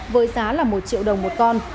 với giá là một triệu đồng một con